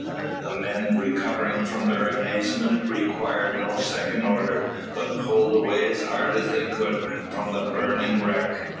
The men, recovering from their amazement, required no second order, but pulled away as hard as they could from the burning wreck.